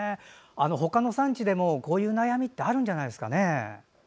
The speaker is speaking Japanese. ほかの産地でもこういう悩みってあるんじゃないですかね。